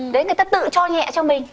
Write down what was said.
đấy người ta tự cho nhẹ cho mình